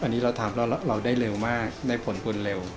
อันนี้เราได้เร็วมากได้ผลบุญเร็ว